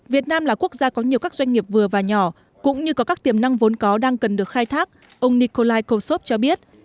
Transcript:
việt nam là quốc gia có nhiều các doanh nghiệp vừa và nhỏ cũng như có các tiềm năng vốn có đang cần được khai thác ông nikolai kutsov cho biết